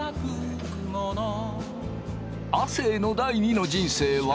亜生の第二の人生は。